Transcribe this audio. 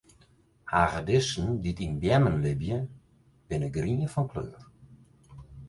Hagedissen dy't yn beammen libje, binne grien fan kleur.